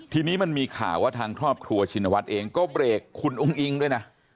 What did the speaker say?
ทีนี้มันมีข่าวว่าทางครอบครัวชินวัฒน์เองก็เบรกคุณอุ้งอิงด้วยนะ